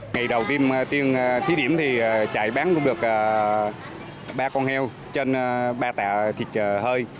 ngày đầu tiên thì trại bán cũng được ba con heo trên ba tạ thịt hơi